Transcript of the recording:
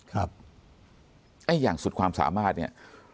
แต่อย่างสุดความสามารถนี่